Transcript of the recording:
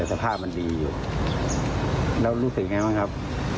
ก็ทำอะไรไม่ถูกอย่างนั้น